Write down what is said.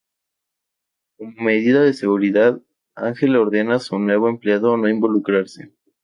Como medida de seguridad Ángel le ordena a su nuevo empleado no involucrarse.